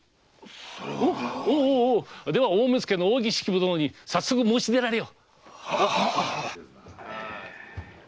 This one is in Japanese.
おおでは大目付の扇式部殿に早速申し出られよ。